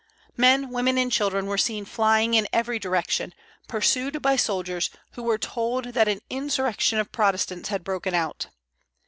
Men, women, and children were seen flying in every direction, pursued by soldiers, who were told that an insurrection of Protestants had broken out.